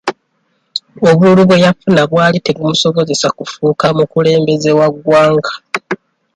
Obululu bwe yafuna bwali tebumusobozesa kufuuka mukulembeze wa ggwanga.